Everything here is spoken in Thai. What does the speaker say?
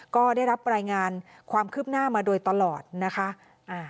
ก็ได้รับรายงานความคืบหน้ามาโดยตลอดนะคะ